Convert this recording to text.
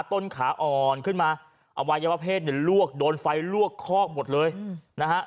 ต้นขาอ่อนขึ้นมาอวัยวะเผ็ดโดนไฟลวกคอกหมดเลยนะฮะ